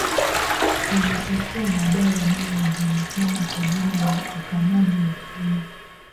yalitokea madai yanayojulikana kwa jina la ukanaji ukimwi